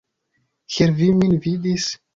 Kiel vi min vidis?